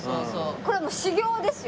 これはもう修行ですよ。